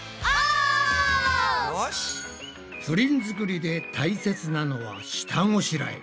プリン作りで大切なのは下ごしらえ。